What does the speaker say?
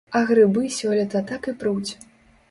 А грыбы сёлета так і пруць!